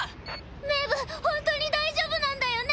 メブほんとに大丈夫なんだよね？